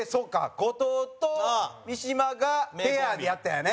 後藤と三島がペアでやったんやね。